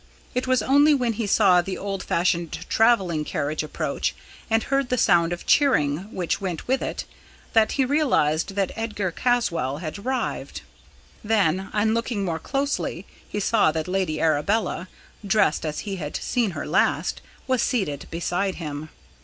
It was only when he saw the old fashioned travelling carriage approach and heard the sound of cheering which went with it, that he realised that Edgar Caswall had arrived. Then, on looking more closely, he saw that Lady Arabella, dressed as he had seen her last, was seated beside him.